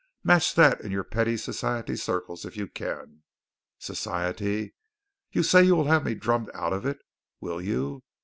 Match that in your petty society circles if you can. Society! You say you will have me drummed out of it, will you?